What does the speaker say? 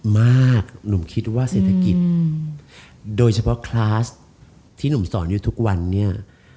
หนุ่มคิดว่าเศรษฐกิจโดยเฉพาะคลาสที่หนุ่มสอนอยู่ทุกวันเนี่ย